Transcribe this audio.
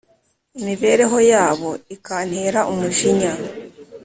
imibereho yabo ikantera umujinya: